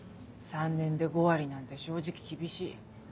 ３年で５割なんて正直厳しい。